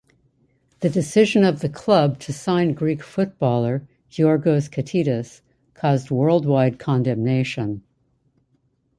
The decision of the club to sign Greek footballer Giorgos Katidis caused worldwide condemnation.